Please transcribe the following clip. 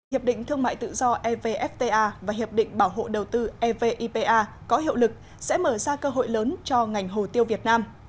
hiệp định thương mại tự do evfta và hiệp định bảo hộ đầu tư evipa có hiệu lực sẽ mở ra cơ hội lớn cho ngành hồ tiêu việt nam